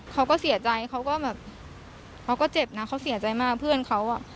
เขาก็เสียใจเขาก็แบบเขาก็เจ็บนะเขาเสียใจมากเพื่อนเขาอ่ะ